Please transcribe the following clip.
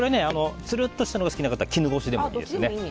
つるっとしたのが好きな方は絹ごしでもいいですね。